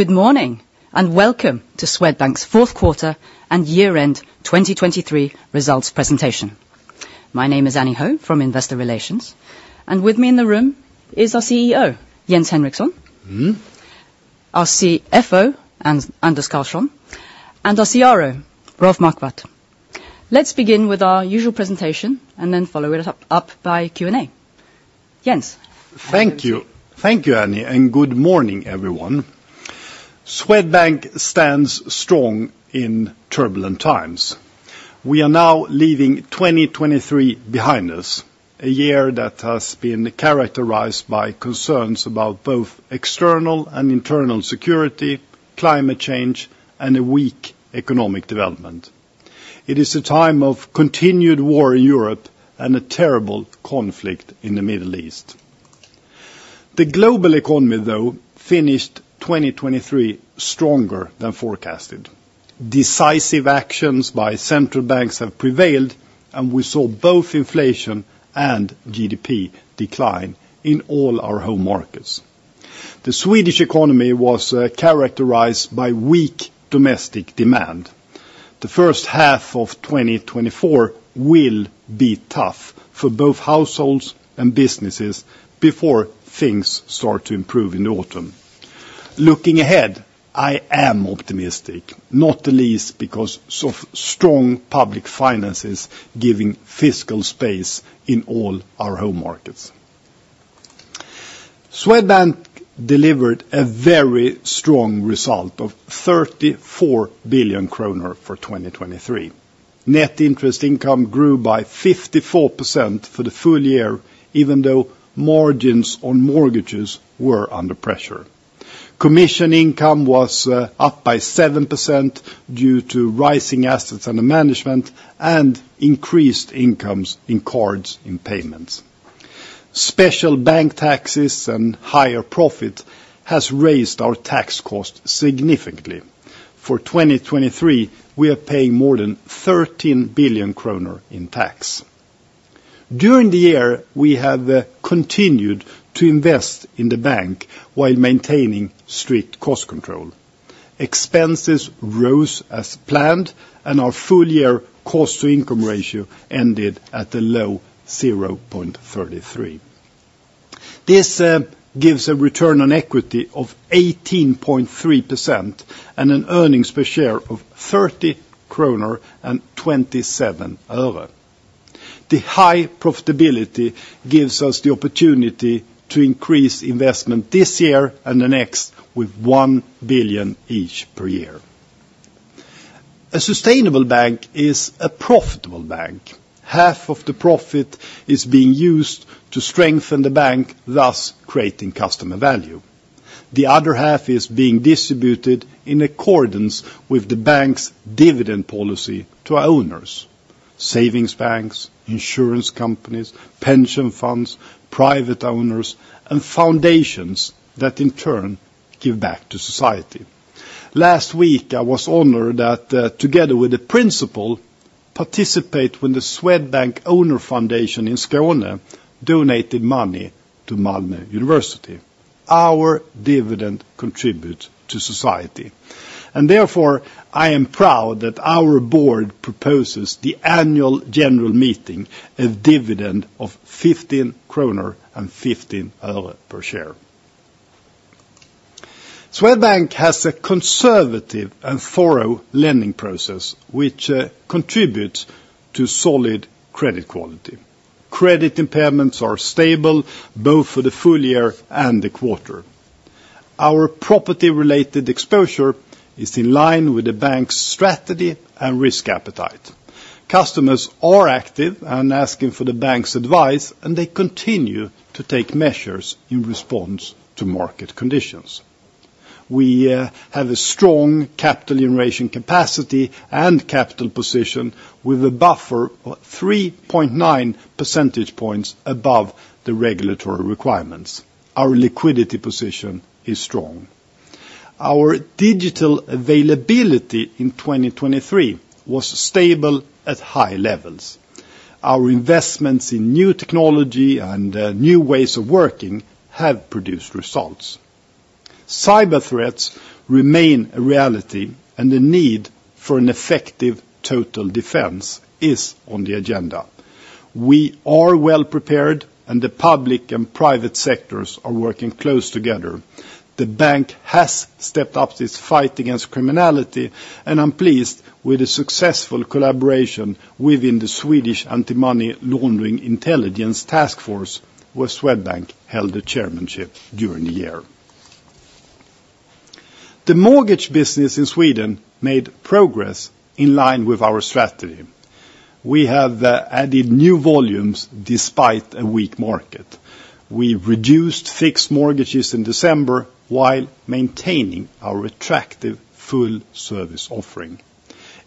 Good morning, and welcome to Swedbank's Fourth Quarter and Year-end 2023 results presentation. My name is Annie Ho from Investor Relations, and with me in the room is our CEO, Jens Henriksson. Mm-hmm. Our CFO, Anders Karlsson, and our CRO, Rolf Marquardt. Let's begin with our usual presentation and then follow it up by Q&A. Jens? Thank you. Thank you, Annie, and good morning, everyone. Swedbank stands strong in turbulent times. We are now leaving 2023 behind us, a year that has been characterized by concerns about both external and internal security, climate change, and a weak economic development. It is a time of continued war in Europe and a terrible conflict in the Middle East. The global economy, though, finished 2023 stronger than forecasted. Decisive actions by central banks have prevailed, and we saw both inflation and GDP decline in all our home markets. The Swedish economy was characterized by weak domestic demand. The first half of 2024 will be tough for both households and businesses before things start to improve in autumn. Looking ahead, I am optimistic, not the least because of strong public finances giving fiscal space in all our home markets. Swedbank delivered a very strong result of 34 billion kronor for 2023. Net interest income grew by 54% for the full year, even though margins on mortgages were under pressure. Commission income was up by 7% due to rising assets under management and increased incomes in cards and payments. Special bank taxes and higher profit has raised our tax cost significantly. For 2023, we are paying more than 13 billion kronor in tax. During the year, we have continued to invest in the bank while maintaining strict cost control. Expenses rose as planned, and our full year cost-to-income ratio ended at a low 0.33. This gives a return on equity of 18.3% and an earnings per share of SEK 30.27. The high profitability gives us the opportunity to increase investment this year and the next with 1 billion each per year. A sustainable bank is a profitable bank. Half of the profit is being used to strengthen the bank, thus creating customer value. The other half is being distributed in accordance with the bank's dividend policy to our owners, savings banks, insurance companies, pension funds, private owners, and foundations that in turn give back to society. Last week, I was honored that, together with the principal, participate when the Swedbank Owner Foundation in Skåne donated money to Malmö University. Our dividend contributes to society, and therefore, I am proud that our board proposes the Annual General Meeting, a dividend of SEK 15.15 per share. Swedbank has a conservative and thorough lending process, which contributes to solid credit quality. Credit impairments are stable, both for the full year and the quarter. Our property-related exposure is in line with the bank's strategy and risk appetite. Customers are active and asking for the bank's advice, and they continue to take measures in response to market conditions. We have a strong capital generation capacity and capital position with a buffer of 3.9 percentage points above the regulatory requirements. Our liquidity position is strong. Our digital availability in 2023 was stable at high levels. Our investments in new technology and new ways of working have produced results. Cyber threats remain a reality, and the need for an effective total defense is on the agenda. We are well prepared, and the public and private sectors are working close together. The bank has stepped up this fight against criminality, and I'm pleased with the successful collaboration within the Swedish Anti-Money Laundering Intelligence Task Force, where Swedbank held the chairmanship during the year. The mortgage business in Sweden made progress in line with our strategy. We have added new volumes despite a weak market. We reduced fixed mortgages in December while maintaining our attractive full-service offering.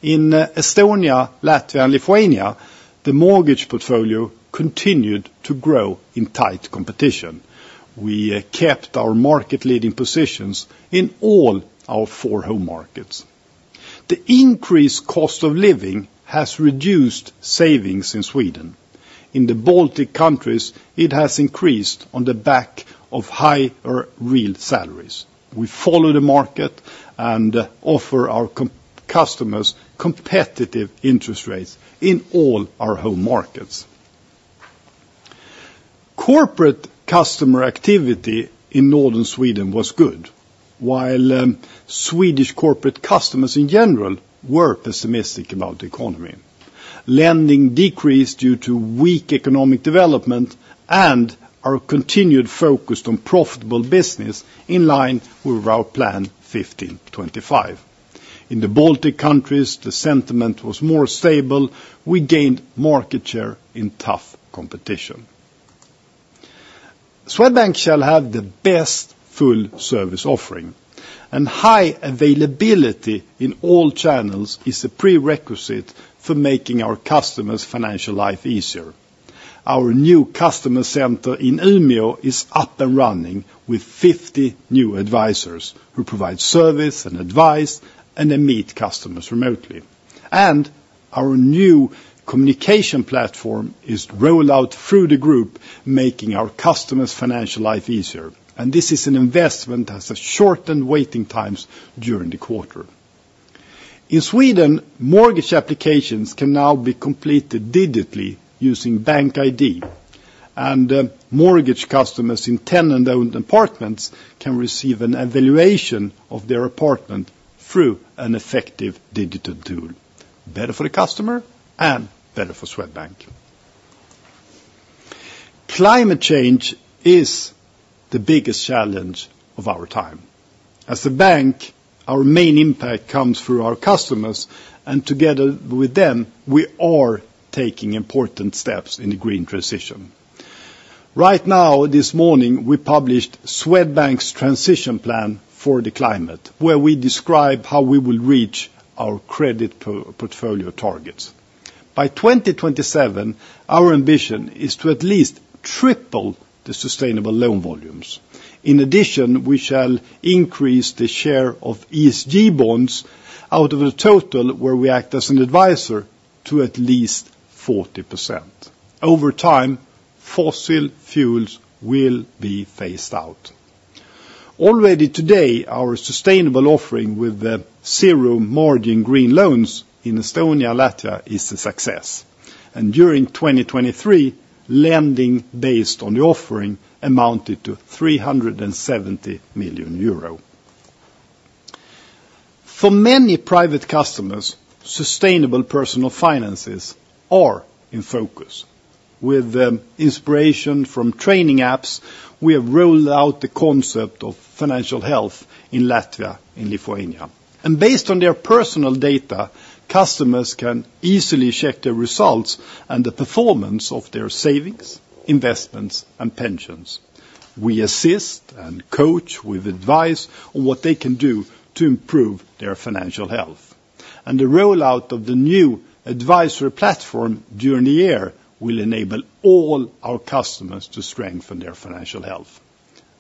In Estonia, Latvia, and Lithuania, the mortgage portfolio continued to grow in tight competition. We kept our market-leading positions in all our four home markets. The increased cost of living has reduced savings in Sweden. In the Baltic countries, it has increased on the back of higher real salaries. We follow the market and offer our customers competitive interest rates in all our home markets. Corporate customer activity in northern Sweden was good, while Swedish corporate customers, in general, were pessimistic about the economy. Lending decreased due to weak economic development and our continued focus on profitable business in line with our plan 15/25. In the Baltic countries, the sentiment was more stable. We gained market share in tough competition. Swedbank shall have the best full service offering, and high availability in all channels is a prerequisite for making our customers' financial life easier. Our new customer center in Umeå is up and running with 50 new advisors who provide service and advice, and they meet customers remotely. Our new communication platform is rolled out through the group, making our customers' financial life easier, and this is an investment that has shortened waiting times during the quarter. In Sweden, mortgage applications can now be completed digitally using BankID, and mortgage customers in tenant-owned apartments can receive an evaluation of their apartment through an effective digital tool. Better for the customer and better for Swedbank. Climate change is the biggest challenge of our time. As a bank, our main impact comes through our customers, and together with them, we are taking important steps in the green transition. Right now, this morning, we published Swedbank's transition plan for the climate, where we describe how we will reach our credit portfolio targets. By 2027, our ambition is to at least triple the sustainable loan volumes. In addition, we shall increase the share of ESG bonds out of the total, where we act as an advisor, to at least 40%. Over time, fossil fuels will be phased out. Already today, our sustainable offering with the zero margin green loans in Estonia, Latvia, is a success, and during 2023, lending based on the offering amounted to 370 million euro. For many private customers, sustainable personal finances are in focus. With inspiration from training apps, we have rolled out the concept of financial health in Latvia and Lithuania. Based on their personal data, customers can easily check their results and the performance of their savings, investments, and pensions. We assist and coach with advice on what they can do to improve their financial health. The rollout of the new advisory platform during the year will enable all our customers to strengthen their financial health.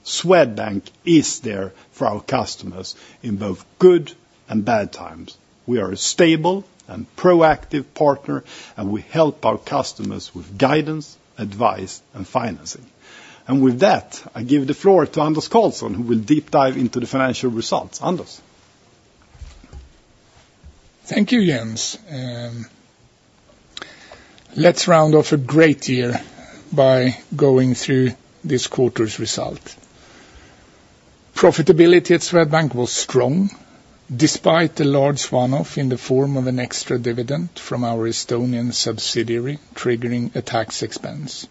Swedbank is there for our customers in both good and bad times. We are a stable and proactive partner, and we help our customers with guidance, advice, and financing. With that, I give the floor to Anders Karlsson, who will deep dive into the financial results. Anders? Thank you, Jens. Let's round off a great year by going through this quarter's result. Profitability at Swedbank was strong, despite the large one-off in the form of an extra dividend from our Estonian subsidiary, triggering a tax expense.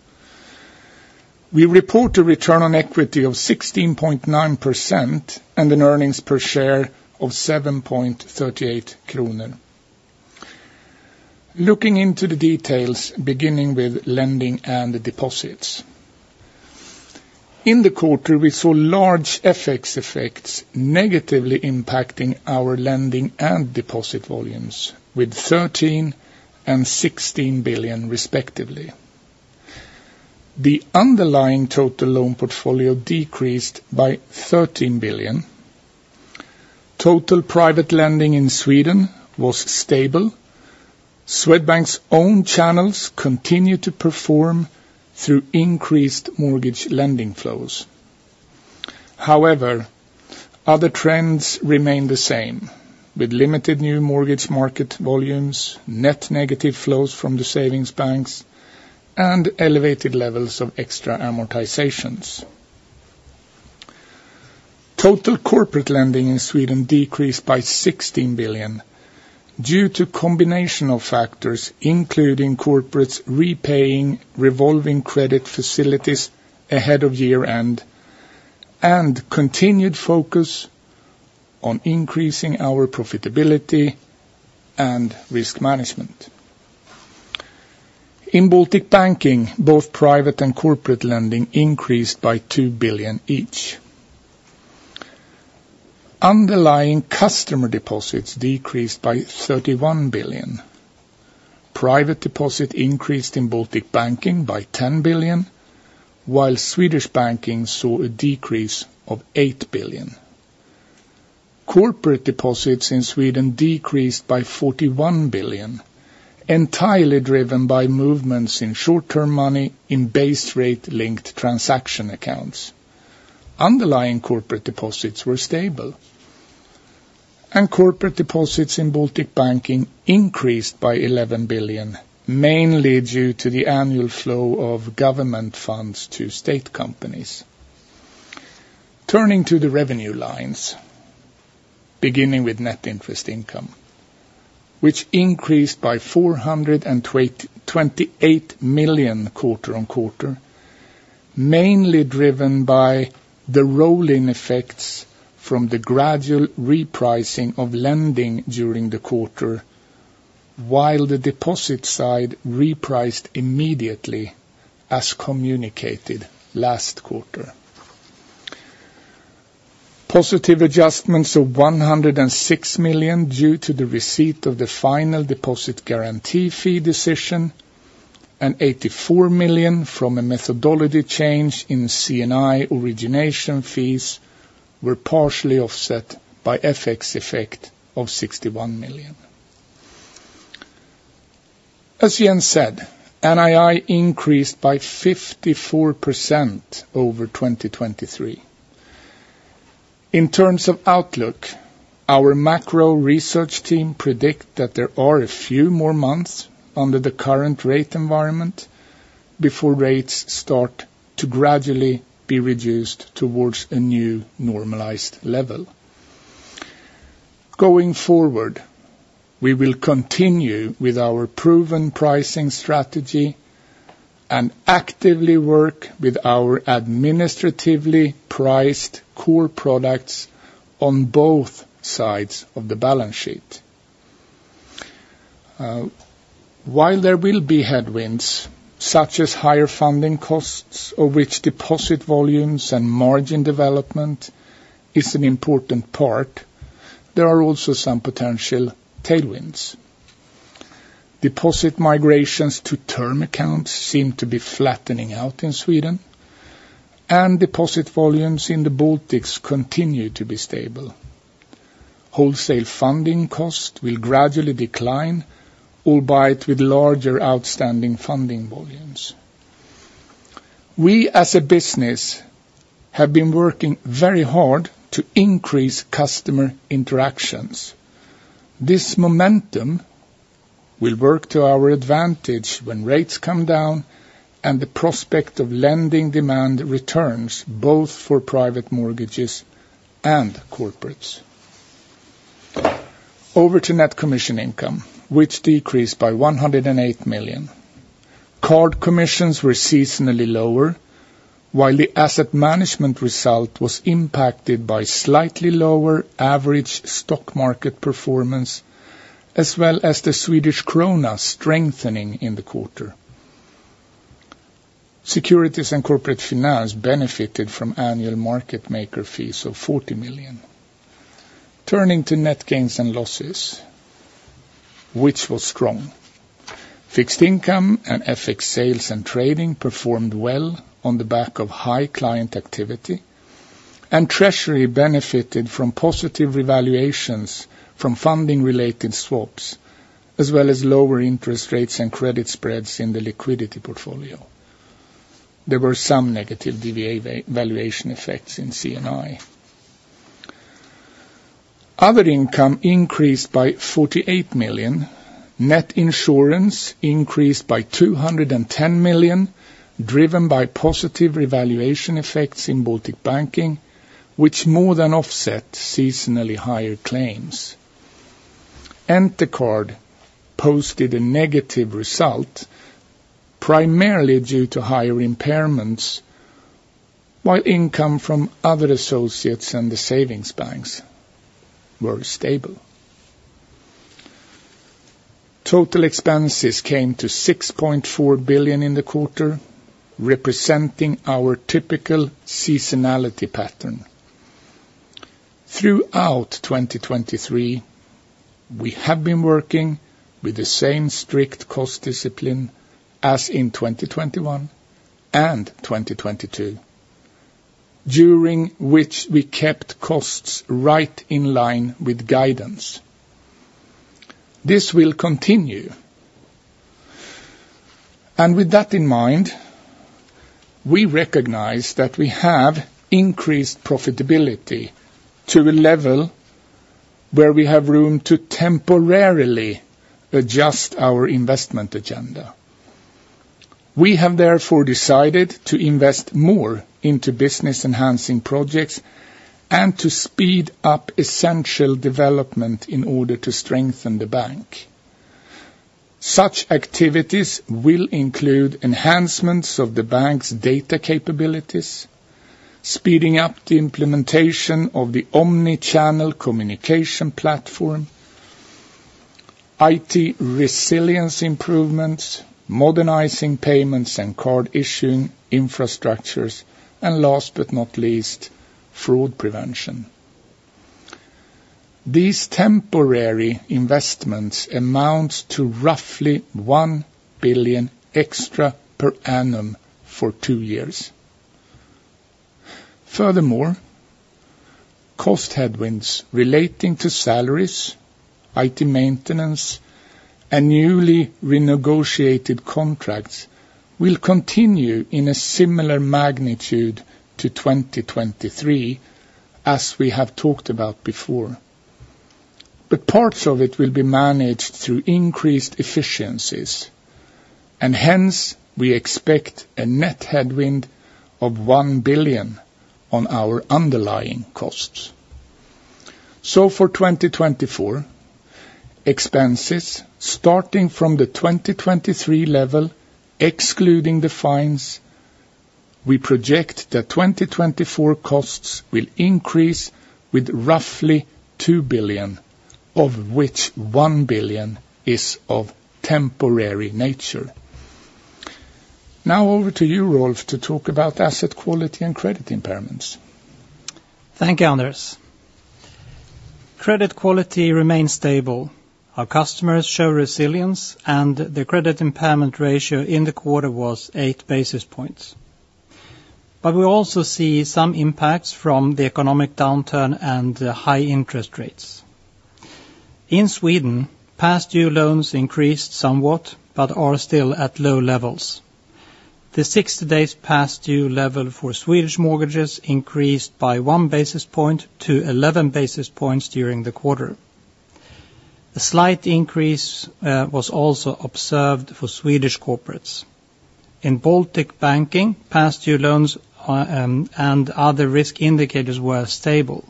We report a return on equity of 16.9% and an earnings per share of 7.38 kronor. Looking into the details, beginning with lending and deposits. In the quarter, we saw large FX effects negatively impacting our lending and deposit volumes with 13 billion and 16 billion, respectively. The underlying total loan portfolio decreased by 13 billion. Total private lending in Sweden was stable. Swedbank's own channels continued to perform through increased mortgage lending flows. However, other trends remained the same, with limited new mortgage market volumes, net negative flows from the savings banks, and elevated levels of extra amortizations. Total corporate lending in Sweden decreased by 16 billion due to combination of factors, including corporates repaying revolving credit facilities ahead of year-end, and continued focus on increasing our profitability and risk management. In Baltic Banking, both private and corporate lending increased by 2 billion each. Underlying customer deposits decreased by 31 billion. Private deposit increased in Baltic banking by 10 billion, while Swedish Banking saw a decrease of 8 billion. Corporate deposits in Sweden decreased by 41 billion, entirely driven by movements in short-term money in base rate-linked transaction accounts. Underlying corporate deposits were stable, and corporate deposits in Baltic Banking increased by 11 billion, mainly due to the annual flow of government funds to state companies. Turning to the revenue lines, beginning with net interest income, which increased by 428 million quarter-on-quarter, mainly driven by the rolling effects from the gradual repricing of lending during the quarter, while the deposit side repriced immediately as communicated last quarter. Positive adjustments of 106 million due to the receipt of the final deposit guarantee fee decision, and 84 million from a methodology change in C&I origination fees were partially offset by FX effect of 61 million. As Jens said, NII increased by 54% over 2023. In terms of outlook, our macro research team predict that there are a few more months under the current rate environment before rates start to gradually be reduced towards a new normalized level. Going forward, we will continue with our proven pricing strategy and actively work with our administratively priced core products on both sides of the balance sheet. While there will be headwinds, such as higher funding costs of which deposit volumes and margin development is an important part, there are also some potential tailwinds. Deposit migrations to term accounts seem to be flattening out in Sweden, and deposit volumes in the Baltics continue to be stable. Wholesale funding cost will gradually decline, albeit with larger outstanding funding volumes. We, as a business, have been working very hard to increase customer interactions. This momentum will work to our advantage when rates come down and the prospect of lending demand returns, both for private mortgages and corporates. Over to net commission income, which decreased by 108 million. Card commissions were seasonally lower, while the asset management result was impacted by slightly lower average stock market performance, as well as the Swedish krona strengthening in the quarter. Securities and corporate finance benefited from annual market maker fees of 40 million. Turning to net gains and losses, which was strong. Fixed income and FX sales and trading performed well on the back of high client activity, and Treasury benefited from positive revaluations from funding-related swaps, as well as lower interest rates and credit spreads in the liquidity portfolio. There were some negative devaluation effects in C&I. Other income increased by 48 million. Net insurance increased by 210 million, driven by positive revaluation effects in Baltic Banking, which more than offset seasonally higher claims. Entercard posted a negative result, primarily due to higher impairments, while income from other associates and the savings banks were stable. Total expenses came to 6.4 billion in the quarter, representing our typical seasonality pattern. Throughout 2023, we have been working with the same strict cost discipline as in 2021 and 2022, during which we kept costs right in line with guidance. This will continue. With that in mind, we recognize that we have increased profitability to a level where we have room to temporarily adjust our investment agenda. We have therefore decided to invest more into business-enhancing projects and to speed up essential development in order to strengthen the bank. Such activities will include enhancements of the bank's data capabilities, speeding up the implementation of the omni-channel communication platform, IT resilience improvements, modernizing payments and card issuing infrastructures, and last but not least, fraud prevention. These temporary investments amount to roughly 1 billion extra per annum for 2 years. Furthermore, cost headwinds relating to salaries, IT maintenance, and newly renegotiated contracts will continue in a similar magnitude to 2023, as we have talked about before. Parts of it will be managed through increased efficiencies, and hence, we expect a net headwind of 1 billion on our underlying costs. For 2024, expenses starting from the 2023 level, excluding the fines, we project that 2024 costs will increase with roughly 2 billion, of which 1 billion is of temporary nature. Now over to you, Rolf, to talk about asset quality and credit impairments. Thank you, Anders. Credit quality remains stable. Our customers show resilience, and the credit impairment ratio in the quarter was 8 basis points. We also see some impacts from the economic downturn and the high interest rates. In Sweden, past due loans increased somewhat, but are still at low levels. The 60 days past due level for Swedish mortgages increased by 1 basis point-11 basis points during the quarter. A slight increase was also observed for Swedish corporates. In Baltic Banking, past due loans and other risk indicators were stable.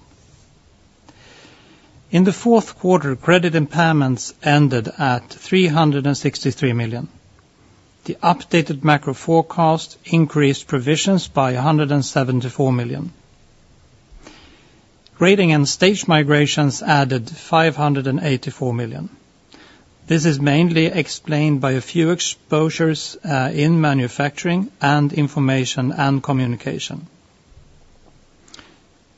In the fourth quarter, credit impairments ended at 363 million. The updated macro forecast increased provisions by 174 million. Grading and stage migrations added 584 million. This is mainly explained by a few exposures in manufacturing and information and communication.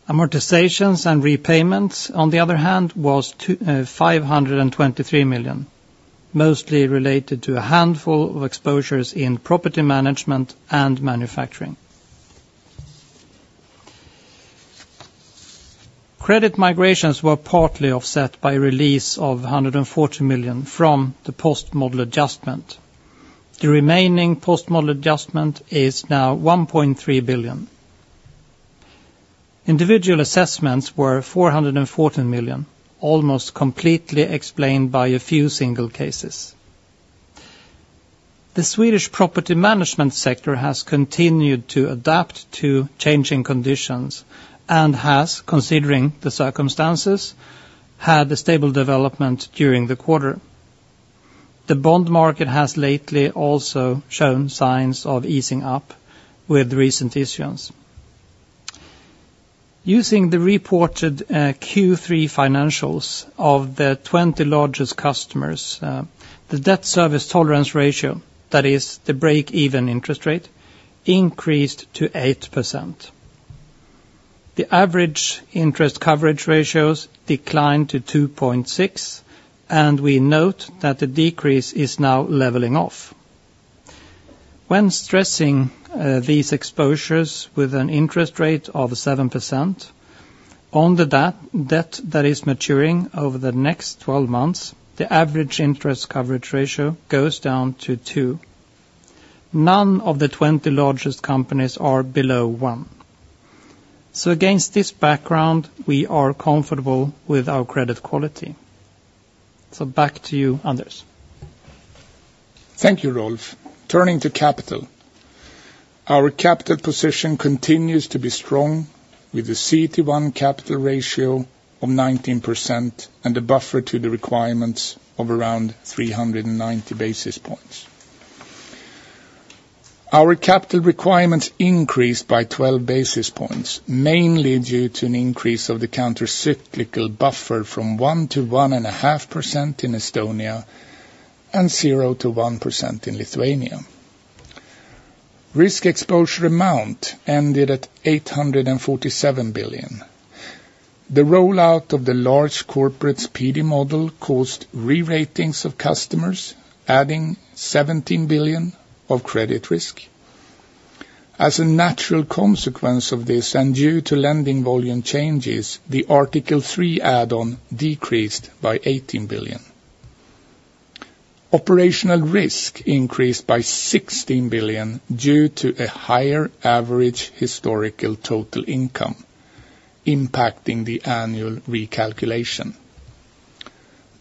Amortizations and repayments, on the other hand, was 523 million, mostly related to a handful of exposures in property management and manufacturing. Credit migrations were partly offset by release of 140 million from the post-model adjustment. The remaining post-model adjustment is now 1.3 billion. Individual assessments were 414 million, almost completely explained by a few single cases. The Swedish property management sector has continued to adapt to changing conditions and has, considering the circumstances, had a stable development during the quarter. The bond market has lately also shown signs of easing up with recent issuance. Using the reported, Q3 financials of the 20 largest customers, the debt service tolerance ratio, that is the break-even interest rate, increased to 8%. The average interest coverage ratios declined to 2.6, and we note that the decrease is now leveling off. When stressing these exposures with an interest rate of 7% on the debt that is maturing over the next 12 months, the average interest coverage ratio goes down to 2. None of the 20 largest companies are below 1. Against this background, we are comfortable with our credit quality. Back to you, Anders. Thank you, Rolf. Turning to capital. Our capital position continues to be strong, with a CET1 capital ratio of 19% and a buffer to the requirements of around 390 basis points. Our capital requirements increased by 12 basis points, mainly due to an increase of the countercyclical buffer from 1%-1.5% in Estonia and 0%-1% in Lithuania. Risk exposure amount ended at 847 billion. The rollout of the large corporate PD model caused re-ratings of customers, adding 17 billion of credit risk. As a natural consequence of this, and due to lending volume changes, the Article 3 add-on decreased by 18 billion. Operational risk increased by 16 billion due to a higher average historical total income impacting the annual recalculation.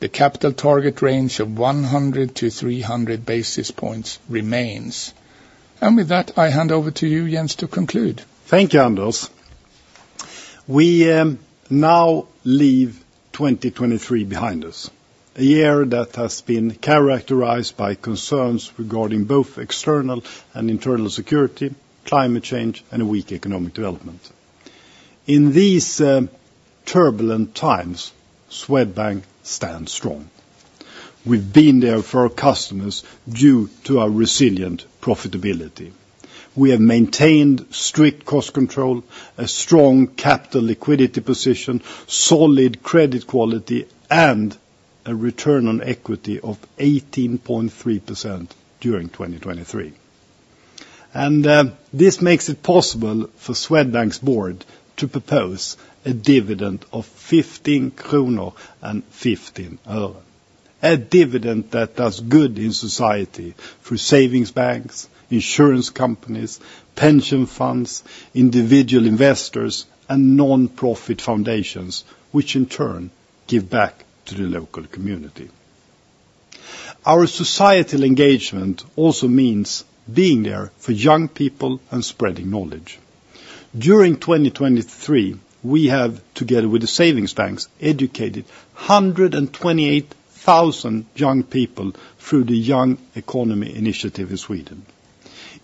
The capital target range of 100 basis points-300 basis points remains. With that, I hand over to you, Jens, to conclude. Thank you, Anders. We now leave 2023 behind us, a year that has been characterized by concerns regarding both external and internal security, climate change, and a weak economic development. In these turbulent times, Swedbank stands strong. We've been there for our customers due to our resilient profitability. We have maintained strict cost control, a strong capital liquidity position, solid credit quality, and a return on equity of 18.3% during 2023. This makes it possible for Swedbank's Board to propose a dividend of SEK 15.15. A dividend that does good in society through savings banks, insurance companies, pension funds, individual investors, and nonprofit foundations, which in turn give back to the local community. Our societal engagement also means being there for young people and spreading knowledge. During 2023, we have, together with the savings banks, educated 128,000 young people through the Young Economy Initiative in Sweden.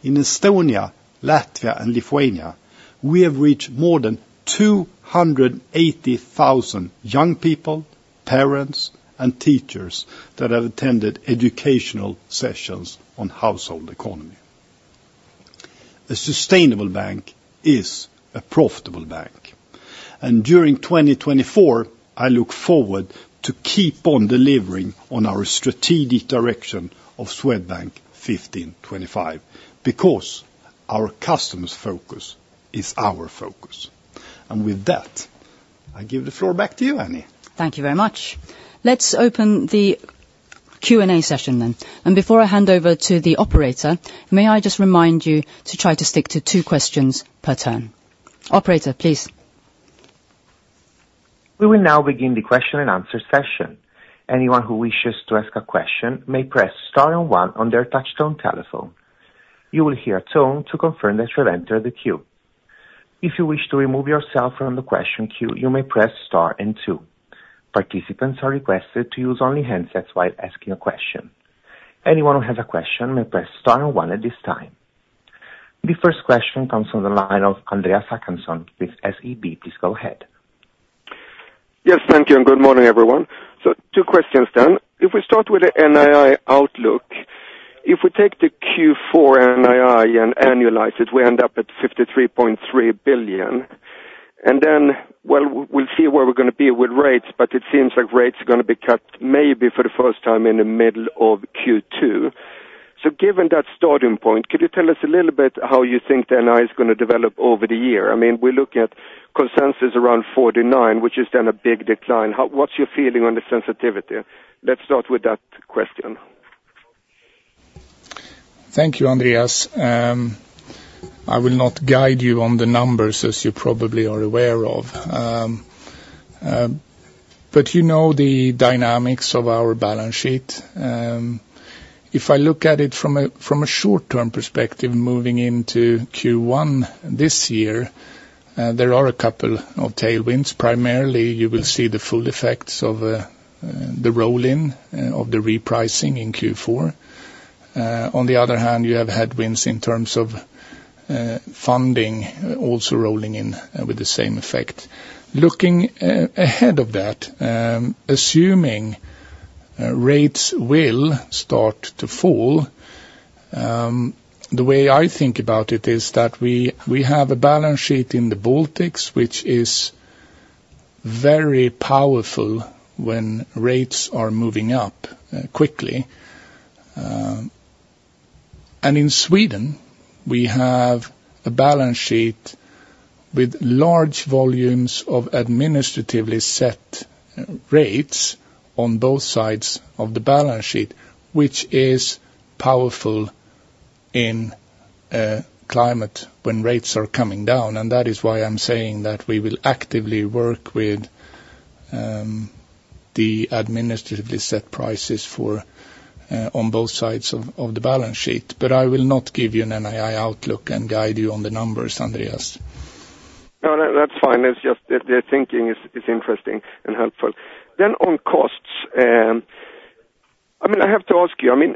In Estonia, Latvia, and Lithuania, we have reached more than 280,000 young people, parents, and teachers that have attended educational sessions on household economy. A sustainable bank is a profitable bank, and during 2024, I look forward to keep on delivering on our strategic direction of Swedbank 15/25, because our customers' focus is our focus. With that, I give the floor back to you, Annie. Thank you very much. Let's open the Q&A session then. Before I hand over to the operator, may I just remind you to try to stick to two questions per turn. Operator, please. We will now begin the question and answer session. Anyone who wishes to ask a question may press star and one on their touchtone telephone. You will hear a tone to confirm that you have entered the queue. If you wish to remove yourself from the question queue, you may press star and two. Participants are requested to use only handsets while asking a question. Anyone who has a question may press star and one at this time. The first question comes from the line of Andreas Håkansson with SEB. Please go ahead. Yes, thank you, and good morning, everyone. Two questions then. If we start with the NII outlook, if we take the Q4 NII and annualize it, we end up at 53.3 billion. Then, well, we'll see where we're gonna be with rates, but it seems like rates are gonna be cut maybe for the first time in the middle of Q2. Given that starting point, could you tell us a little bit how you think the NII is gonna develop over the year? I mean, we're looking at consensus around 49 billion, which is then a big decline. How, what's your feeling on the sensitivity? Let's start with that question. Thank you, Andreas. I will not guide you on the numbers, as you probably are aware of. You know the dynamics of our balance sheet. If I look at it from a short-term perspective, moving into Q1 this year, there are a couple of tailwinds. Primarily, you will see the full effects of the roll-in of the repricing in Q4. On the other hand, you have headwinds in terms of funding also rolling in with the same effect. Looking ahead of that, assuming rates will start to fall, the way I think about it is that we have a balance sheet in the Baltics, which is very powerful when rates are moving up quickly. In Sweden, we have a balance sheet with large volumes of administratively set rates on both sides of the balance sheet, which is powerful in a climate when rates are coming down. That is why I'm saying that we will actively work with the administratively set prices for on both sides of the balance sheet. I will not give you an NII outlook and guide you on the numbers, Andreas. No, that, that's fine. It's just the thinking is interesting and helpful. Then on costs, I mean, I have to ask you, I mean,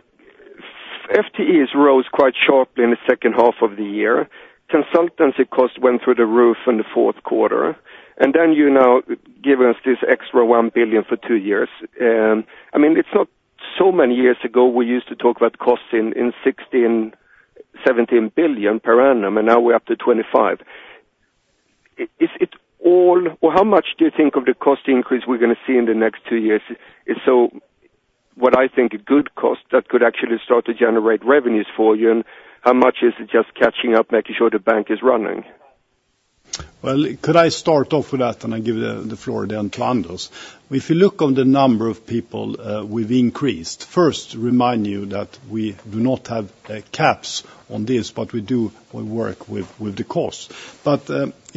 FTEs rose quite sharply in the second half of the year. Consultancy costs went through the roof in the fourth quarter, and then you now give us this extra 1 billion for two years. I mean, it's not so many years ago, we used to talk about costs in 16 billion-17 billion per annum, and now we're up to 25 billion. Is it all, or how much do you think of the cost increase we're gonna see in the next two years? What I think a good cost that could actually start to generate revenues for you, and how much is it just catching up, making sure the bank is running? Well, could I start off with that, and I give the floor then to Anders? If you look at the number of people, we've increased. First, remind you that we do not have caps on this, but we do work with the cost.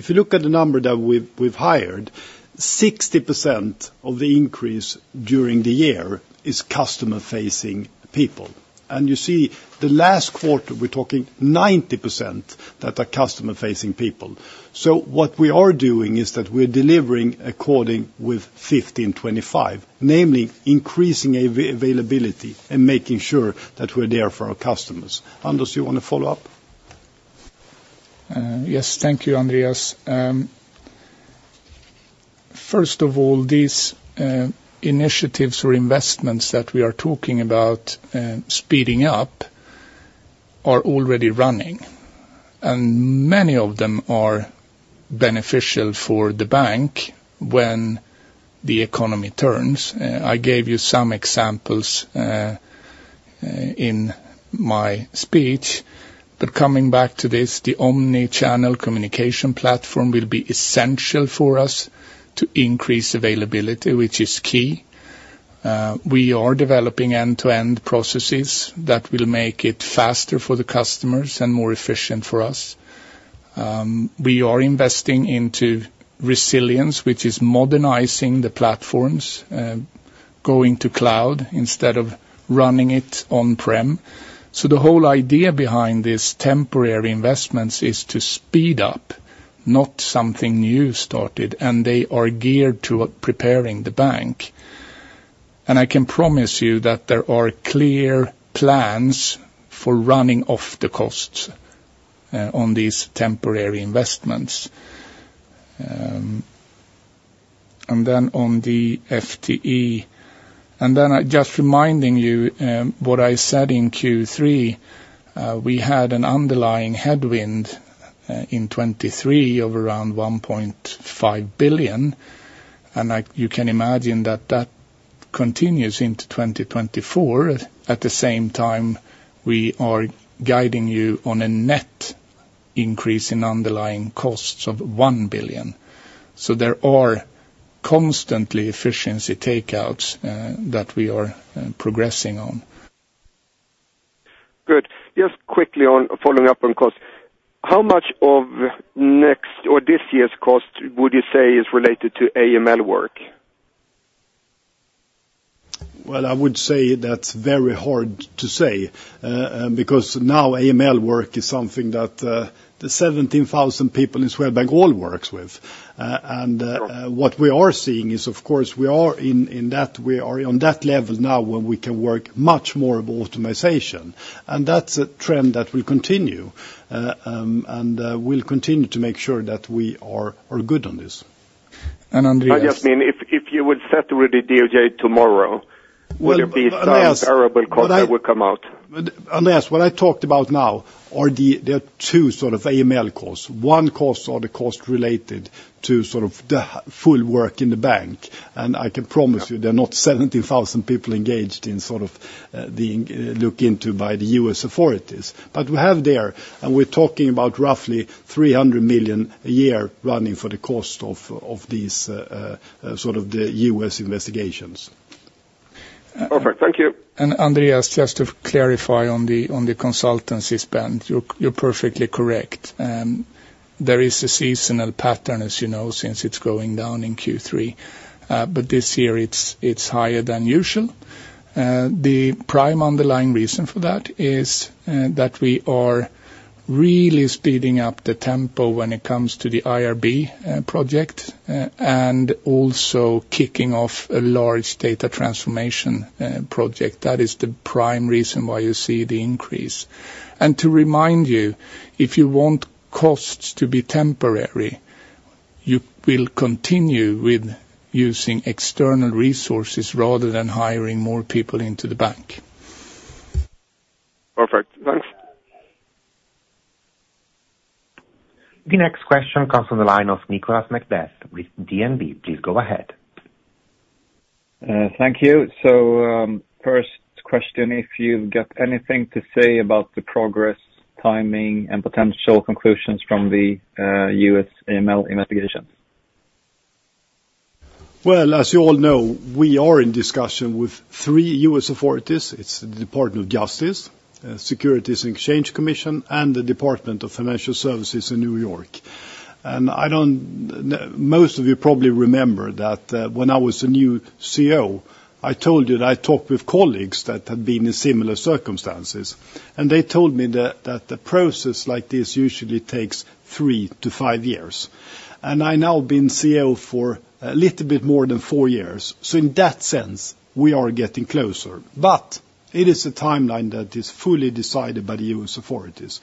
If you look at the number that we've hired, 60% of the increase during the year is customer-facing people. You see, the last quarter, we're talking 90% that are customer-facing people. What we are doing is that we're delivering according with 15/25, namely increasing availability and making sure that we're there for our customers. Anders, you want to follow up? Yes, thank you, Andreas. First of all, these initiatives or investments that we are talking about speeding up are already running, and many of them are beneficial for the bank when the economy turns. I gave you some examples in my speech, but coming back to this, the omni-channel communication platform will be essential for us to increase availability, which is key. We are developing end-to-end processes that will make it faster for the customers and more efficient for us. We are investing into resilience, which is modernizing the platforms, going to cloud instead of running it on-prem. The whole idea behind this temporary investments is to speed up, not something new started, and they are geared to preparing the bank. I can promise you that there are clear plans for running off the costs on these temporary investments. Then on the FTE, and then I just reminding you, what I said in Q3, we had an underlying headwind in 2023 of around 1.5 billion, and you can imagine that that continues into 2024. At the same time, we are guiding you on a net increase in underlying costs of 1 billion. There are constantly efficiency takeouts that we are progressing on. Good. Just quickly on following up on costs, how much of next or this year's cost would you say is related to AML work? Well, I would say that's very hard to say, because now AML work is something that, the 17,000 people in Swedbank all works with. What we are seeing is, of course, we are in that, we are on that level now where we can work much more of optimization, and that's a trend that will continue. We'll continue to make sure that we are, are good on this, and Andreas. I just mean, if, if you would settle with the DOJ tomorrow, would there be some variable cost that would come out? Andreas, what I talked about now are there are two sort of AML costs. One cost are the cost related to sort of the full work in the bank, and I can promise you. There are not 17,000 people engaged in sort of the looked into by the U.S. authorities. We have there, and we're talking about roughly 300 million a year running for the cost of these sort of the U.S. investigations. Perfect. Thank you. Andreas, just to clarify on the consultancy spend, you're perfectly correct. There is a seasonal pattern, as you know, since it's going down in Q3, but this year it's higher than usual. The prime underlying reason for that is that we are really speeding up the tempo when it comes to the IRB project, and also kicking off a large data transformation project. That is the prime reason why you see the increase. To remind you, if you want costs to be temporary, you will continue with using external resources rather than hiring more people into the bank. Perfect. Thanks. The next question comes from the line of Nicolas McBeath with DNB. Please go ahead. Thank you. First question, if you've got anything to say about the progress, timing, and potential conclusions from the U.S. AML investigation? Well, as you all know, we are in discussion with three U.S. authorities. It's the Department of Justice, Securities and Exchange Commission, and the Department of Financial Services in New York. I don't, most of you probably remember that, when I was a new CEO, I told you that I talked with colleagues that had been in similar circumstances. They told me that the process like this usually takes 3 years-5 years. I now have been CEO for a little bit more than 4 years. In that sense, we are getting closer. It is a timeline that is fully decided by the U.S. authorities.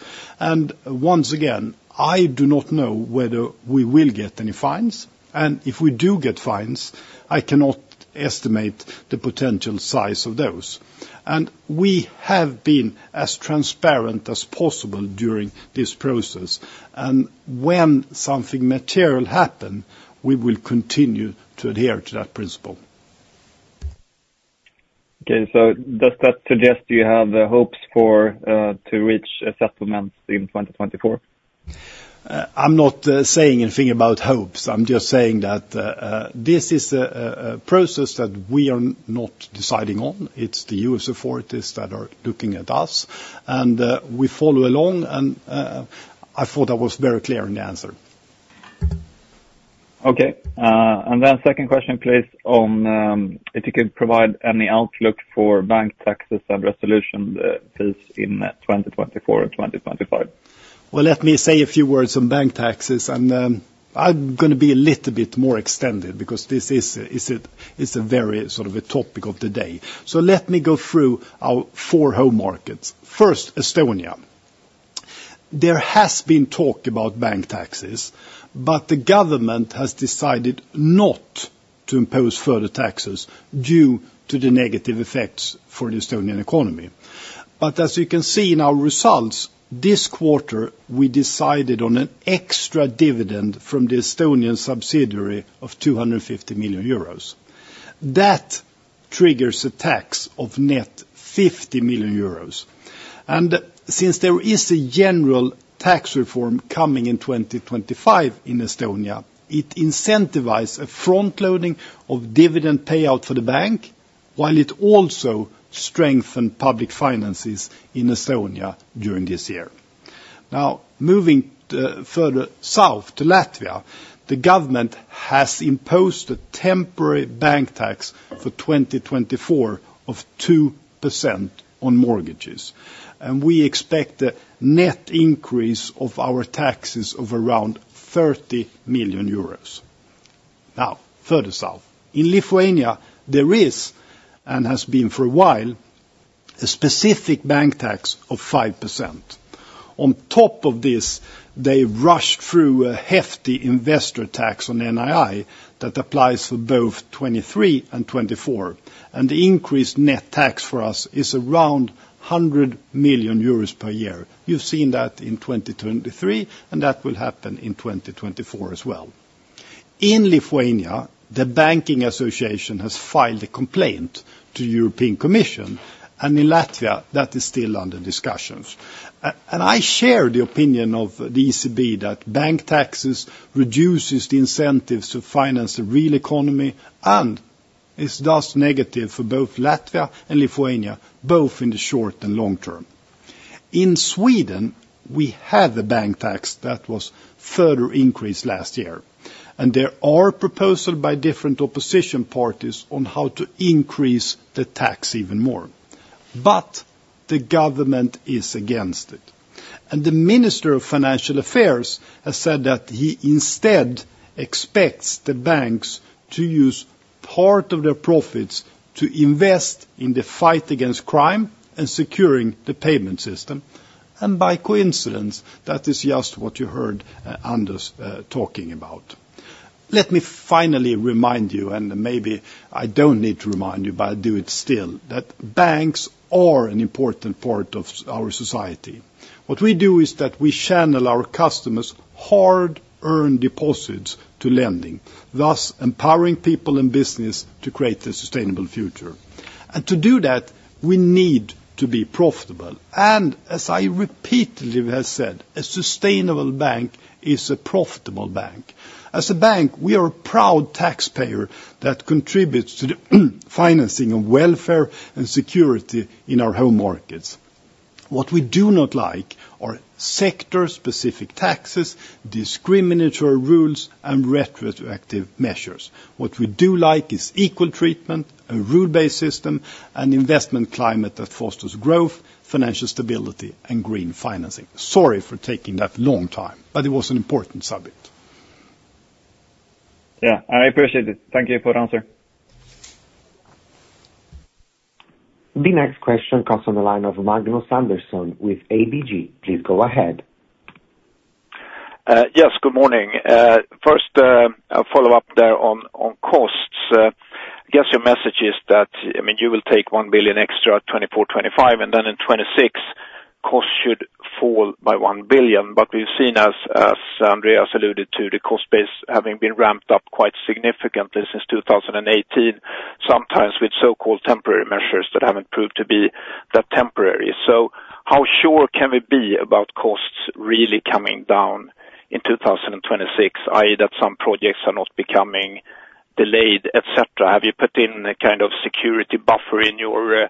Once again, I do not know whether we will get any fines, and if we do get fines, I cannot estimate the potential size of those. We have been as transparent as possible during this process, and when something material happen, we will continue to adhere to that principle. Okay, so does that suggest you have hopes for to reach a settlement in 2024? I'm not saying anything about hopes. I'm just saying that this is a process that we are not deciding on. It's the U.S. authorities that are looking at us, and we follow along, and I thought I was very clear in the answer. Okay. Then second question, please, on if you could provide any outlook for bank taxes and resolution, please, in 2024 and 2025? Well, let me say a few words on bank taxes, and, I'm gonna be a little bit more extended because this is a very sort of a topic of the day. Let me go through our four home markets. First, Estonia. There has been talk about bank taxes, but the government has decided not to impose further taxes due to the negative effects for the Estonian economy. As you can see in our results, this quarter, we decided on an extra dividend from the Estonian subsidiary of 250 million euros. That triggers a tax of net 50 million euros. Since there is a general tax reform coming in 2025 in Estonia, it incentivized a front-loading of dividend payout for the bank, while it also strengthened public finances in Estonia during this year. Now, moving further South to Latvia, the government has imposed a temporary bank tax for 2024 of 2% on mortgages, and we expect a net increase of our taxes of around 30 million euros. Now, further South. In Lithuania, there is, and has been for a while, a specific bank tax of 5%. On top of this, they rushed through a hefty investor tax on NII that applies for both 2023 and 2024, and the increased net tax for us is around 100 million euros per year. You've seen that in 2023, and that will happen in 2024 as well. In Lithuania, the banking association has filed a complaint to the European Commission, and in Latvia, that is still under discussions. I share the opinion of the ECB that bank taxes reduces the incentives to finance the real economy and is thus negative for both Latvia and Lithuania, both in the short and long term. In Sweden, we had a bank tax that was further increased last year, and there are proposal by different opposition parties on how to increase the tax even more. The government is against it, and the Minister of Financial Affairs has said that he instead expects the banks to use part of their profits to invest in the fight against crime and securing the payment system. By coincidence, that is just what you heard, Anders, talking about. Let me finally remind you, and maybe I don't need to remind you, but I'll do it still, that banks are an important part of our society. What we do is that we channel our customers' hard-earned deposits to lending, thus empowering people in business to create a sustainable future. To do that, we need to be profitable, and as I repeatedly have said, a sustainable bank is a profitable bank. As a bank, we are a proud taxpayer that contributes to the financing of welfare and security in our home markets. What we do not like are sector-specific taxes, discriminatory rules, and retroactive measures. What we do like is equal treatment, a rule-based system, and investment climate that fosters growth, financial stability, and green financing. Sorry for taking that long time, but it was an important subject. Yeah, I appreciate it. Thank you for the answer. The next question comes on the line of Magnus Andersson with ABG. Please go ahead. Yes, good morning. First, a follow-up there on costs. I guess your message is that, I mean, you will take 1 billion extra, 2024-2025, and then in 2026, costs should fall by 1 billion. We've seen, as Andreas alluded to, the cost base having been ramped up quite significantly since 2018, sometimes with so-called temporary measures that haven't proved to be that temporary. How sure can we be about costs really coming down in 2026, i.e., that some projects are not becoming delayed, et cetera? Have you put in a kind of security buffer in your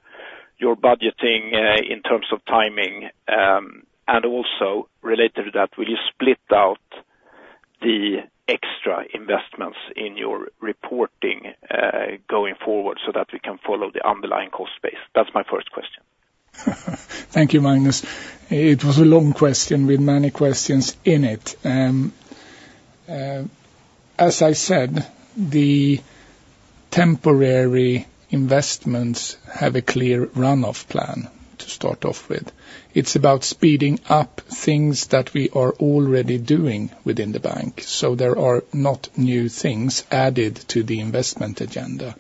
budgeting in terms of timing? Also related to that, will you split out the extra investments in your reporting going forward so that we can follow the underlying cost base? That's my first question. Thank you, Magnus. It was a long question with many questions in it. As I said, the temporary investments have a clear run-off plan to start off with. It's about speeding up things that we are already doing within the bank, so there are not new things added to the investment agenda.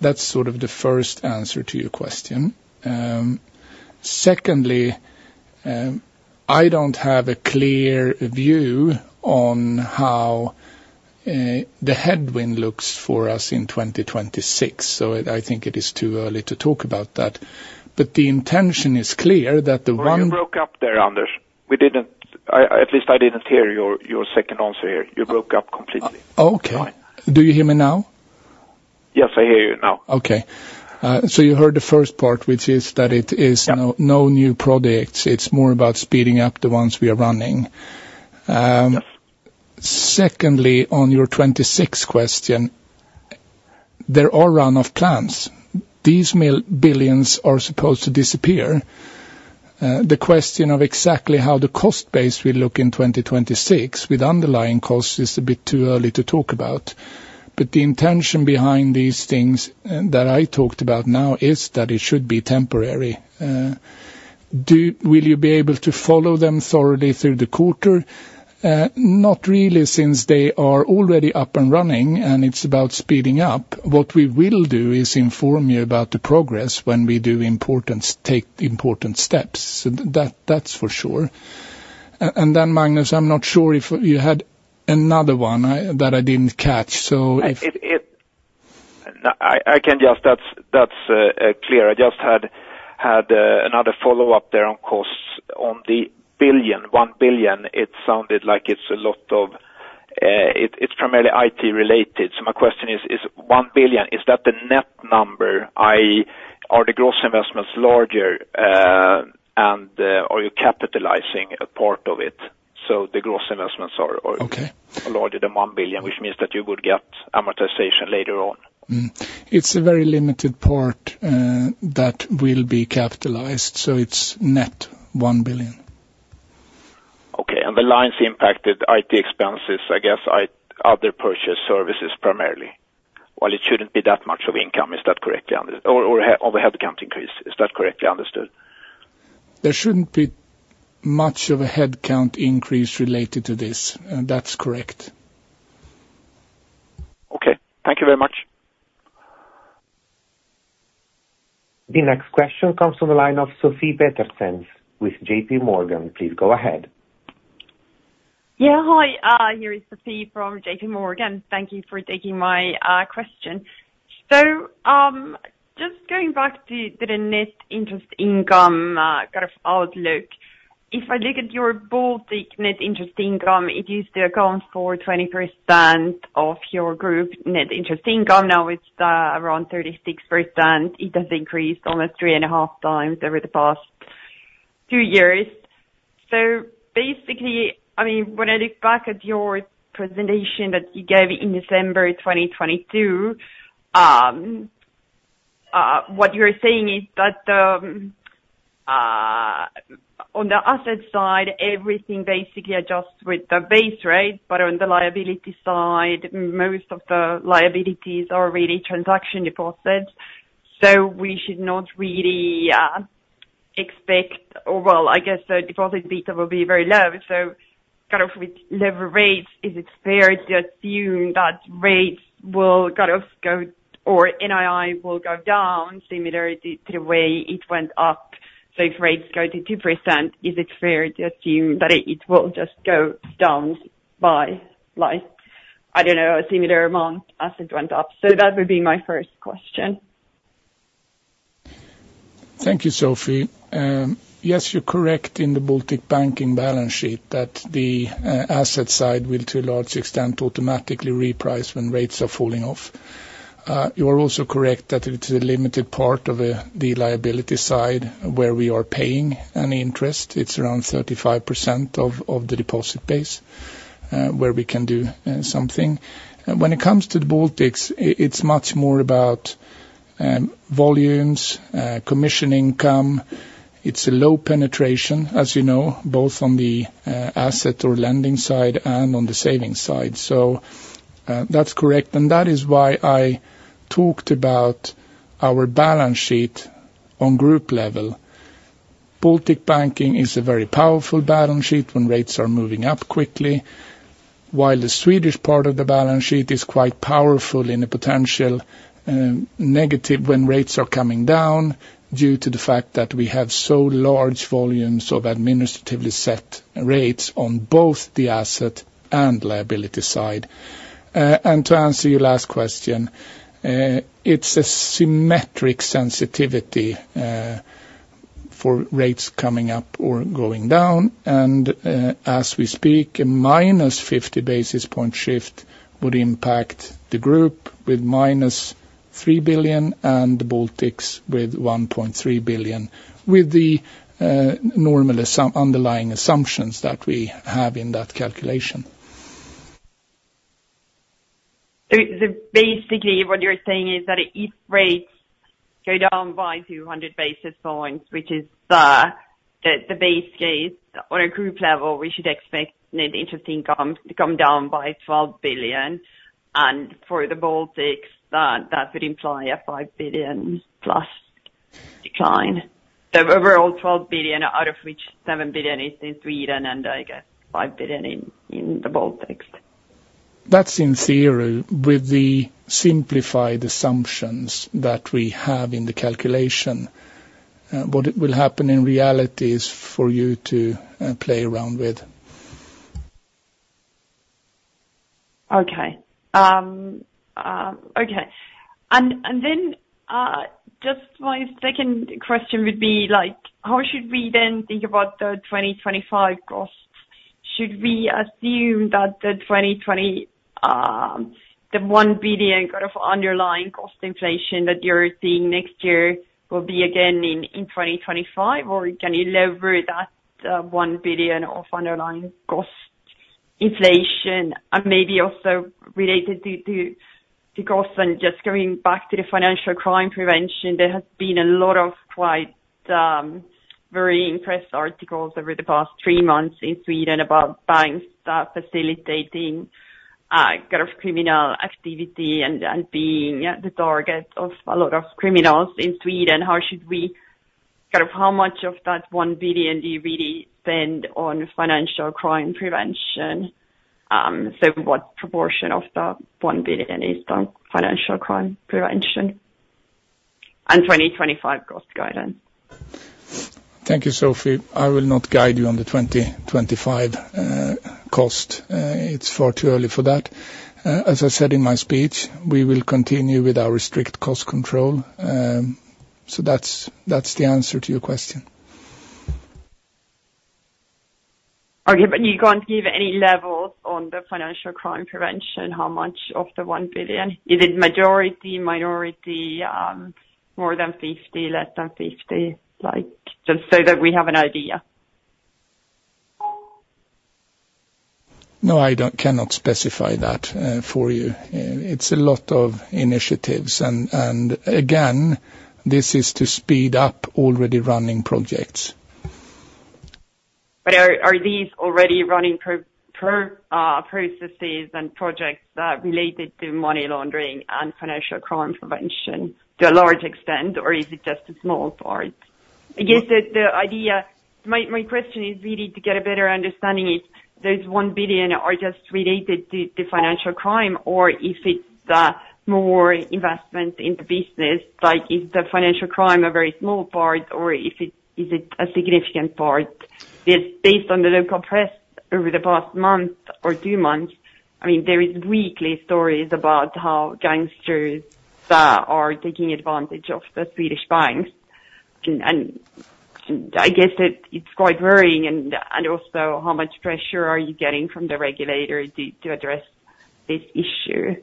That's sort of the first answer to your question. Secondly, I don't have a clear view on how the headwind looks for us in 2026, so I think it is too early to talk about that. The intention is clear that the one- You broke up there, Anders. We didn't, at least I didn't hear your, your second answer here. You broke up completely. Oh, okay. All right. Do you hear me now? Yes, I hear you now. Okay. You heard the first part, which is that it is- Yeah -no new projects. It's more about speeding up the ones we are running. Secondly, on your 26th question, there are run-off plans. These billions are supposed to disappear. The question of exactly how the cost base will look in 2026, with underlying costs, is a bit too early to talk about. The intention behind these things that I talked about now is that it should be temporary. Will you be able to follow them thoroughly through the quarter? Not really, since they are already up and running, and it's about speeding up. What we will do is inform you about the progress when we take important steps. That, that's for sure. Then, Magnus, I'm not sure if you had another one that I didn't catch, so if- I can just, that's clear. I just had another follow-up there, on costs on the billion, 1 billion. It sounded like it's a lot of, it's primarily IT related. My question is, is 1 billion, is that the net number? Are the gross investments larger, and are you capitalizing a part of it, so the gross investments are?- Okay -larger than 1 billion, which means that you would get amortization later on? It's a very limited part that will be capitalized, so it's net 1 billion. Okay. The lines impacted IT expenses, I guess, other purchase services primarily, while it shouldn't be that much of income, is that correctly understood? Or the headcount increase. Is that correctly understood? There shouldn't be much of a headcount increase related to this. That's correct. Okay, thank you very much. The next question comes from the line of Sofie Peterzens with JPMorgan. Please go ahead. Yeah, hi, here is Sofie from JPMorgan. Thank you for taking my question. Just going back to the net interest income kind of outlook. If I look at your Baltic net interest income, it used to account for 20% of your group net interest income. Now it's around 36%. It has increased almost 3.5 times over the past 2 years. Basically, I mean, when I look back at your presentation that you gave in December 2022, what you're saying is that on the asset side, everything basically adjusts with the base rate. On the liability side, most of the liabilities are really transaction deposits, so we should not really expect, or, well, I guess, the deposit beta will be very low. Kind of with lower rates, is it fair to assume that rates will kind of go, or NII will go down similarly to the way it went up? If rates go to 2%, is it fair to assume that it will just go down by, like, I don't know, a similar amount as it went up? That would be my first question. Thank you, Sofie. Yes, you're correct in the Baltic Banking balance sheet, that the asset side will, to a large extent, automatically reprice when rates are falling off. You are also correct that it's a limited part of the liability side where we are paying any interest. It's around 35% of the deposit base where we can do something. When it comes to the Baltics, it's much more about volumes, commission income. It's a low penetration, as you know, both on the asset or lending side and on the savings side. That's correct, and that is why I talked about our balance sheet on group level. Baltic Banking is a very powerful balance sheet when rates are moving up quickly, while the Swedish part of the balance sheet is quite powerful in a potential negative when rates are coming down, due to the fact that we have so large volumes of administratively set rates on both the asset and liability side. To answer your last question, it's a symmetric sensitivity for rates coming up or going down. As we speak, a -50 basis point shift would impact the group with -3 billion and the Baltics with 1.3 billion, with the normal underlying assumptions that we have in that calculation. Basically, what you're saying is that if rates go down by 200 basis points, which is the base case on a group level, we should expect net interest income to come down by 12 billion. For the Baltics, that would imply a 5 billion+ decline. ?verall, 12 billion, out of which 7 billion is in Sweden and I guess 5 billion in the Baltics. That's in theory, with the simplified assumptions that we have in the calculation. What it will happen in reality is for you to, play around with. Okay. Then, just my second question would be, like, how should we then think about the 2025 costs? Should we assume that the 2020, the 1 billion kind of underlying cost inflation that you're seeing next year will be again in 2025, or can you lever that 1 billion of underlying cost inflation? Maybe also related to cost, and just going back to the financial crime prevention, there has been a lot of quite very impressed articles over the past three months in Sweden about buying stuff, facilitating kind of criminal activity and being, yeah, the target of a lot of criminals in Sweden. How should we kind of how much of that 1 billion do you really spend on financial crime prevention? What proportion of the 1 billion is on financial crime prevention 2025 cost guidance? Thank you, Sophie. I will not guide you on the 2025 cost. It's far too early for that. As I said in my speech, we will continue with our strict cost control. That's, that's the answer to your question. Okay, but you can't give any levels on the financial crime prevention, how much of the 1 billion? Is it majority, minority, more than 50, less than 50? Like, just so that we have an idea. No, I cannot specify that for you. It's a lot of initiatives, and again, this is to speed up already running projects. Are these already running processes and projects that related to money laundering and financial crime prevention to a large extent, or is it just a small part? I guess the idea, my question is really to get a better understanding if this 1 billion is just related to financial crime, or if it's more investment in the business. Like, is the financial crime a very small part, or is it a significant part? It's based on the local press over the past month or two months. I mean, there are weekly stories about how gangsters are taking advantage of the Swedish banks. I guess it's quite worrying, and also, how much pressure are you getting from the regulator to address this issue?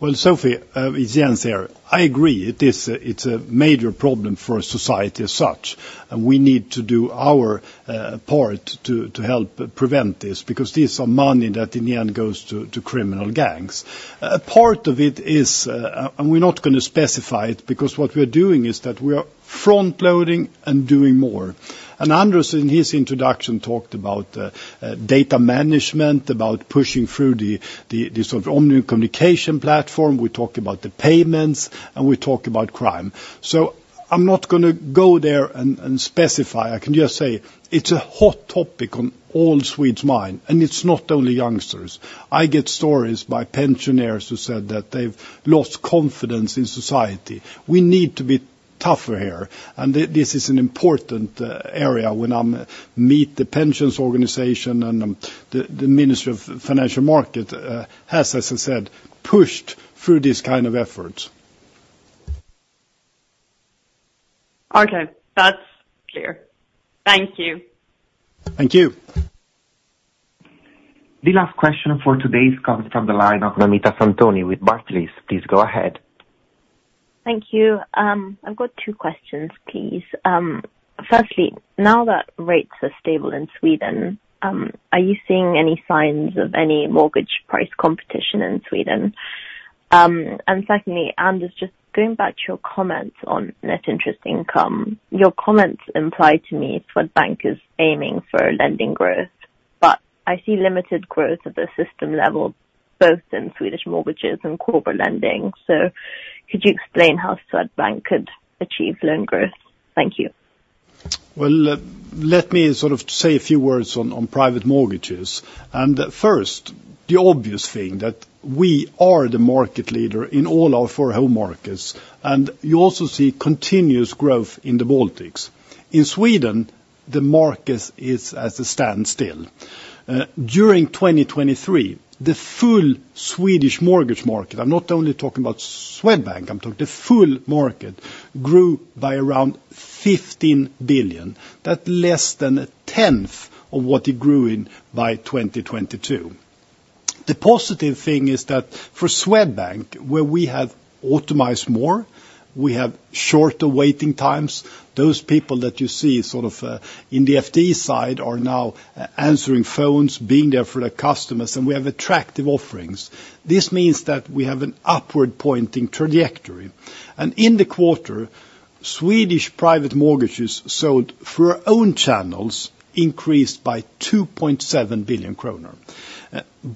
Well, Sophie, it's Jens here. I agree. It is a, it's a major problem for society as such, and we need to do our part to help prevent this, because this is money that in the end goes to criminal gangs. Part of it is. We're not gonna specify it, because what we're doing is that we are front loading and doing more. Anders, in his introduction, talked about data management, about pushing through the sort of omni communication platform. We talked about the payments, and we talked about crime. I'm not gonna go there and specify. I can just say it's a hot topic on all Swedes' mind, and it's not only youngsters. I get stories by pensioners who said that they've lost confidence in society. We need to be tougher here, and this is an important area when I meet the pensions organization and the Ministry of Finance has, as I said, pushed through this kind of efforts. Okay, that's clear. Thank you. Thank you. The last question for today comes from the line of Namita Samtani with Barclays. Please go ahead. Thank you. I've got two questions, please. Firstly, now that rates are stable in Sweden, are you seeing any signs of any mortgage price competition in Sweden? Secondly, Anders, just going back to your comments on net interest income, your comments imply to me Swedbank is aiming for lending growth, but I see limited growth atthe system level, both in Swedish mortgages and corporate lending. Could you explain how Swedbank could achieve loan growth? Thank you. Well, let me sort of say a few words on private mortgages. First, the obvious thing, that we are the market leader in all our four home markets, and you also see continuous growth in the Baltics. In Sweden, the market is at a standstill. During 2023, the full Swedish mortgage market, I'm not only talking about Swedbank, I'm talking the full market, grew by around 15 billion. That's less than a tenth of what it grew in by 2022. The positive thing is that for Swedbank, where we have optimized more, we have shorter waiting times. Those people that you see sort of in the FD side are now answering phones, being there for the customers, and we have attractive offerings. This means that we have an upward-pointing trajectory. In the quarter, Swedish private mortgages sold through our own channels increased by 2.7 billion kronor.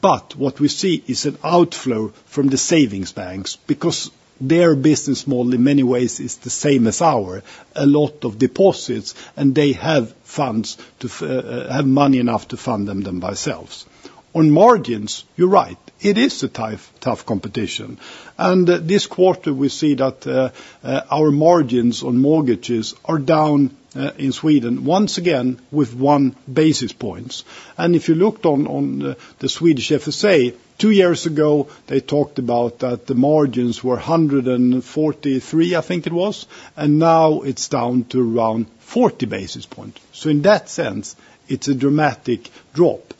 What we see is an outflow from the savings banks, because their business model in many ways is the same as ours, a lot of deposits, and they have funds to have money enough to fund them by themselves. On margins, you're right, it is a tough, tough competition. This quarter, we see that our margins on mortgages are down in Sweden, once again, with 1 basis points. If you looked on the Swedish FSA, two years ago, they talked about that the margins were 143, I think it was, and now it's down to around 40 basis points. In that sense, it's a dramatic drop.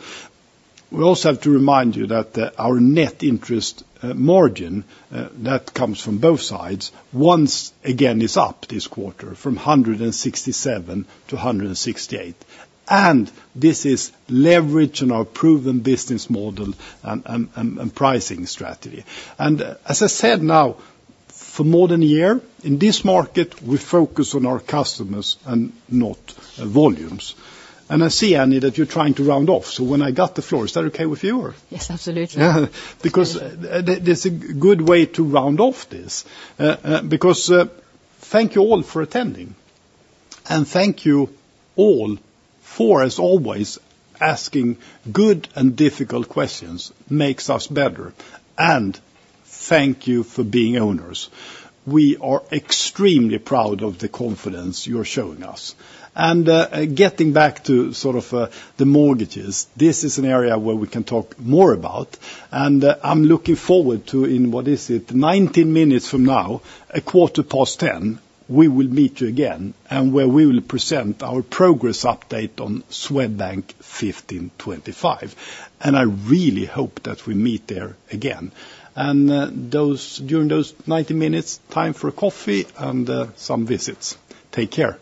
We also have to remind you that, our net interest margin that comes from both sides, once again, is up this quarter from 167-168. This is leverage on our proven business model and pricing strategy. As I said, now, for more than a year, in this market, we focus on our customers and not volumes. I see, Annie, that you're trying to round off, so when I got the floor, is that okay with you, or? Yes, absolutely. Yeah, because thanks, there, there's a good way to round off this. Because, thank you all for attending, and thank you all for, as always, asking good and difficult questions. Makes us better. Thank you for being owners. We are extremely proud of the confidence you're showing us. Getting back to sort of the mortgages, this is an area where we can talk more about, and I'm looking forward to in, what is it, 90 minutes from now, 10:15, we will meet you again, and where we will present our progress update on Swedbank 15/25. I really hope that we meet there again. During those 90 minutes, time for a coffee and some visits. Take care.